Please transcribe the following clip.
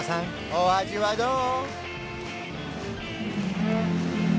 お味はどう？